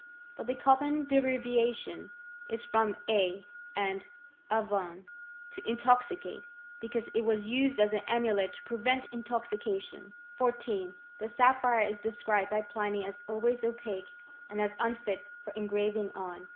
But the common derivation is from a and /Av9tm, to intoxicatey because it was used as an amulet to prevent intoxication. 14. The sapphire is described by Pliny as alway* opaque^ and as unfit for engraving on.